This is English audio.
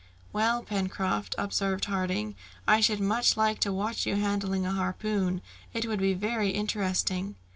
"Well, Pencroft," observed Harding, "I should much like to watch you handling a harpoon. It would be very interesting."